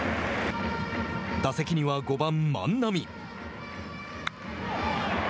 打席には５番万波。